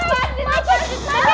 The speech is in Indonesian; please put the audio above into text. gak ada back promote